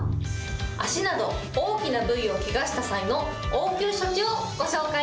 足など、大きな部位をけがした際の応急処置をご紹介。